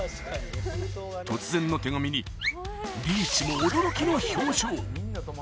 突然の手紙にリーチも驚きの表情。